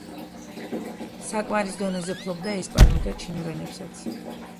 საკმარის დონეზე ფლობდა ესპანურ და ჩინურ ენებსაც.